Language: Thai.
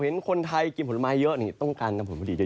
เห็นคนไทยกินผลไม้เยอะต้องการทำผลผลิตเยอะ